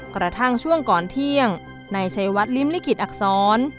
กระทั่งช่วงก่อนเที่ยงนายชัยวัดลิ้มลิขิตอักษร